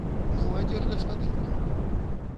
Ну, а дзе ж гаспадынька?